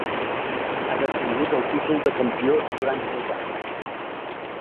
Ha detingut el títol de campió durant tres anys.